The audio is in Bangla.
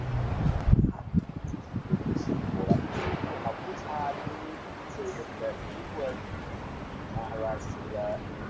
তিনি স্বয়ং আমাকে ও ভগিনী বিভাকে দেখিতে আসিতেন।